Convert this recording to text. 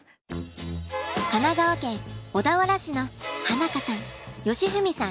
神奈川県小田原市の花香さん喜史さん